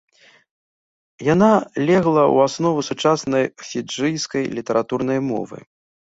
Яна легла ў аснову сучаснай фіджыйскай літаратурнай мовы.